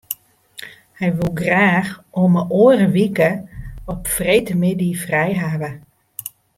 Hy woe graach om 'e oare wike op freedtemiddei frij hawwe.